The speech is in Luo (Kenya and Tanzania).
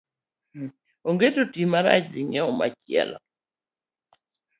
Onget oti marach dhi ing'iew machielo.